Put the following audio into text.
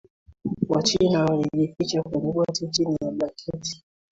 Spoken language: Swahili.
wachina walijificha kwenye boti chini ya blanketi